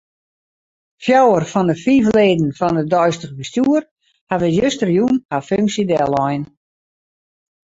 Fjouwer fan 'e fiif leden fan it deistich bestjoer hawwe justerjûn har funksje dellein.